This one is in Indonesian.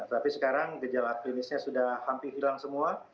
tapi sekarang gejala klinisnya sudah hampir hilang semua